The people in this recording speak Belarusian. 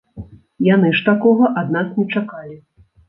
Яны ж такога ад нас не чакалі!